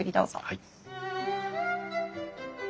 はい。